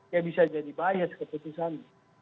ya bisa jadi bias keputusan